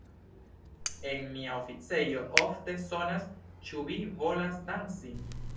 En mia oficejo ofte sonas Ĉu vi volas danci?